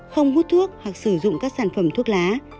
không hút thuốc hoặc sử dụng các sản phẩm thuốc lá